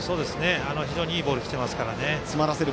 非常にいいボールきてますからね。